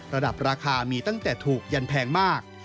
ระดับราคามีตั้งแต่ถูกยันแพงมาก